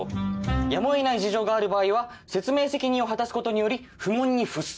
「やむを得ない事情がある場合は説明責任を果たすことにより不問に伏す」